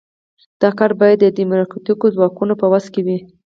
دا کار باید د ډیموکراتیکو ځواکونو په وس کې وي.